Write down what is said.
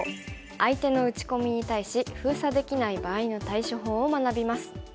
相手の打ち込みに対し封鎖できない場合の対処法を学びます。